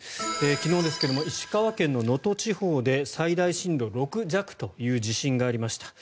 昨日、石川県能登地方で最大震度６弱という地震がありました。